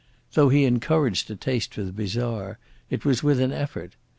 Though he encouraged a taste for the bizarre, it was with an effort.